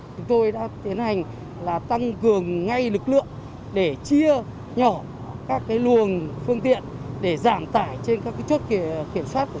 chúng tôi đã tiến hành là tăng cường ngay lực lượng để chia nhỏ các cái lường phương tiện để giảm tải trên các cái chốt kiểm soát của chúng tôi